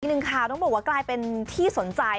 อีกนึงค่ะต้องบอกว่ากลายเป็นที่สนใจ